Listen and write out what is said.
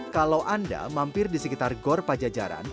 kalau anda mampir di sekitar gor pajajaran